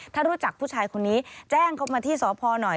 ถ้ารู้จักผู้ชายคนนี้แจ้งเขามาที่สพหน่อย